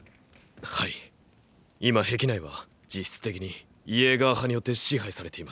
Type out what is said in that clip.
はい今壁内は実質的にイェーガー派によって支配されています。